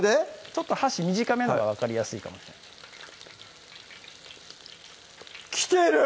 ちょっと箸短めのほうが分かりやすいかもしれない来てる！